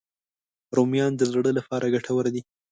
رومیان د زړه لپاره ګټور دي